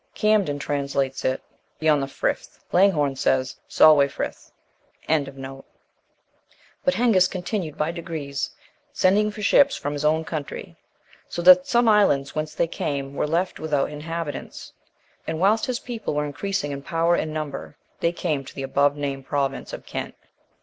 Camden translates it "beyond the Frith;" Langhorne says, "Solway Frith." But Hengist continued, by degrees, sending for ships from his own country, so that some islands whence they came were left without inhabitants; and whilst his people were increasing in power and number, they came to the above named province of Kent.